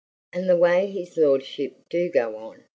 "And the way his lordship do go on!"